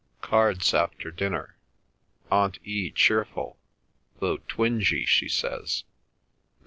Cards after dinner. Aunt E. cheerful, though twingy, she says.